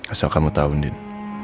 asal kamu tau andien